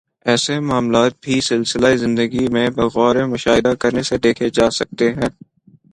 ایسے معاملات بھی سلسلہ زندگی میں بغور مشاہدہ کرنے سے دیکھے جا سکتے ہیں